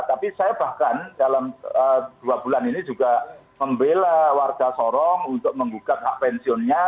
tapi saya bahkan dalam dua bulan ini juga membela warga sorong untuk menggugat hak pensiunnya